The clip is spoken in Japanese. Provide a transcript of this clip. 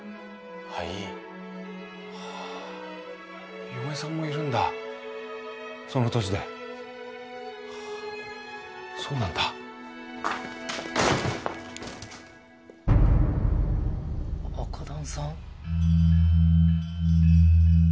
はいはあ嫁さんもいるんだその年でそうなんだ若旦さん？